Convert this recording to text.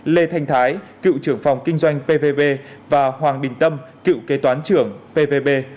lê thanh thái cựu trưởng phòng kinh doanh pvb và hoàng đình tâm cựu kế toán trưởng pvb